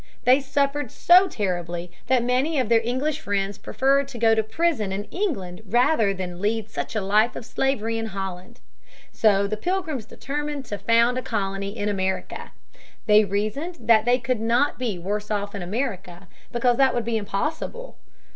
They suffered so terribly that many of their English friends preferred to go to prison in England rather than lead such a life of slavery in Holland. So the Pilgrims determined to found a colony in America. They reasoned that they could not be worse off in America, because that would be impossible.